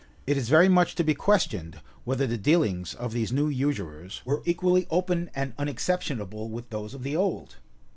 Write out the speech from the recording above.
It is very much to be questioned, whether the dealings of these new usurers were equally open and unexceptionable with those of the old.